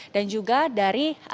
dan juga dari